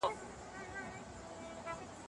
زه قران په پښتو ژبه لولم تر څو سم پوه شم.